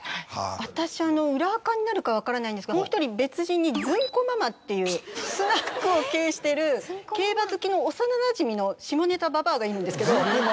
私裏アカになるか分からないんですけどもう１人別人にズンコママっていうスナックを経営してる競馬好きの幼なじみの下ネタババアがいるんですけど。